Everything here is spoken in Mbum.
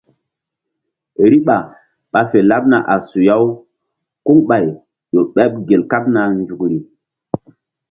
Riɓa ɓa fe laɓna a suya-u kuŋɓay ƴo ɓeɓ gel kaɓna nzukri.